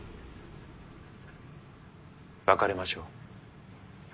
別れましょう。